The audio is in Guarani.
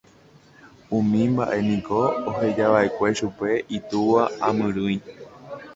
Umi mba'e niko ohejava'ekue chupe itúva amyrỹi.